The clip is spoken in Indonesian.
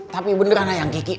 tapi beneran nayang kiki